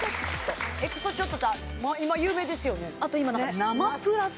エクソショットって今有名ですよね